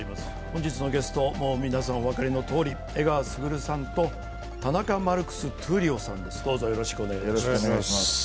本日のゲスト、皆様お分かりのとおり江川卓さんと田中マルクス闘莉王さんです。